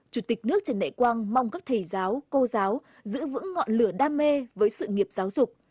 chủ tịch nước trần đại quang mong các thầy giáo cô giáo giữ vững ngọn lửa đam mê với sự nghiệp giáo dục